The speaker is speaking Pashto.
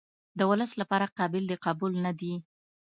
د ولس لپاره قابل د قبول نه دي.